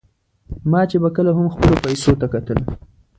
ما چې به کله هم خپلو پیسو ته کتل.